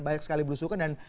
banyak sekali berusukan